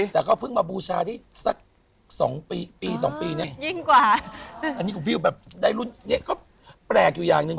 แต่เขาเพิ่งมาบูชาสักสองปีปีสองปีน่ะอันนี้ก็ปลูกแบบได้รุ่นเนี่ยก็แปลกอยู่อย่างนึง